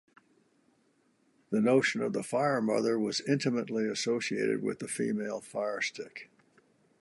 The notion of the fire-mother was intimately associated with the female fire-stick.